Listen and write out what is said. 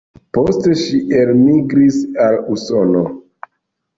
Poste ŝi elmigris al Usono.